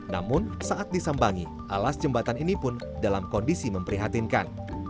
namun saat disambangi alas jembatan ini pun dalam kondisi memprihatinkan